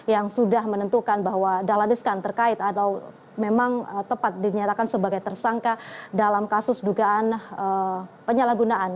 yang sudah menentukan bahwa dahlan iskan terkait atau memang tepat dinyatakan sebagai tersangka dalam kasus dugaan penyalahgunaan